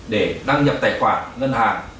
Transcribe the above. để đăng nhập tài khoản ngân hàng